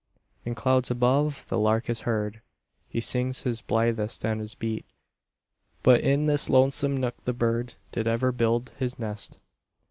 In clouds above, the lark is heard, He sings his blithest and his beet; But in this lonesome nook the bird Did never build his nest.